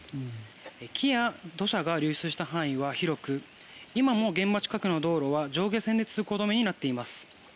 木や土砂が流出した範囲は広く今も現場近くの道路は上下線で通行止めになっています。